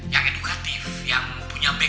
yang edukatif yang punya back